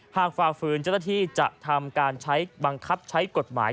ห้ามฝากฝืนเจ้าหน้าที่จะทำการบังคับใช้กฎหมาย